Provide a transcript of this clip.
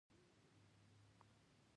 هو او دا په مارکر لیکل شوی و